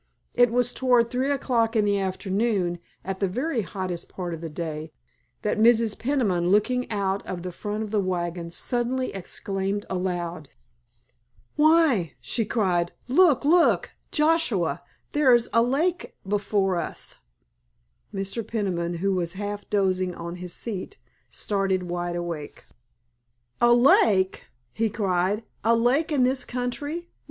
It was toward three o'clock in the afternoon, at the very hottest part of the day, that Mrs. Peniman looking out of the front of the wagon suddenly exclaimed aloud. "Why," she cried, "look, look, Joshua, there is a lake before us!" Mr. Peniman, who was half dozing on his seat, started wide awake. "A lake?" he cried. "A lake in this country?